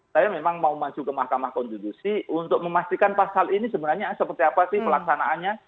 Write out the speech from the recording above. saya memang mau maju ke mahkamah konstitusi untuk memastikan pasal ini sebenarnya seperti apa sih pelaksanaannya